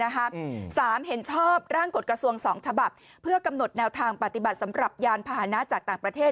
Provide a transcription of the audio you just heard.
สามเห็นชอบร่างกฎกระทรวง๒ฉบับเพื่อกำหนดแนวทางปฏิบัติสำหรับยานพาหนะจากต่างประเทศ